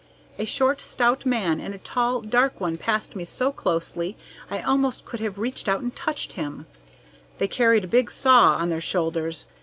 A short, stout man and a tall, dark one passed me so closely I almost could have reached out and touched them. They carried a big saw on their shoulders.